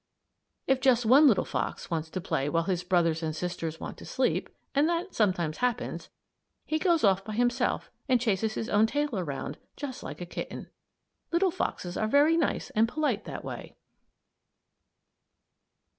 If just one little fox wants to play while his brothers and sisters want to sleep and that sometimes happens he goes off by himself and chases his own tail around, just like a kitten. Little foxes are very nice and polite that way.